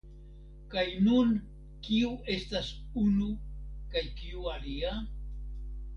Kaj nun kiu estas unu kaj kiu alia?